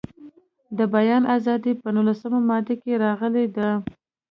د بیان ازادي په نولسمه ماده کې راغلې ده.